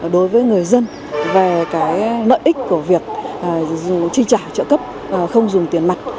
đối với người dân về cái nợ ích của việc chi trả trợ cấp không dùng tiền mặt